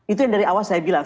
itu yang dari awal saya bilang